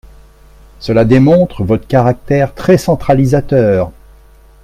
Cela démontre votre caractère très centralisateur.